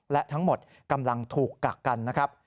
และทั้งหมดกำลังถูกกักกันนะครับ